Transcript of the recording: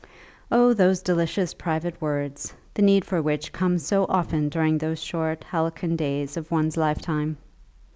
Oh, those delicious private words, the need for which comes so often during those short halcyon days of one's lifetime!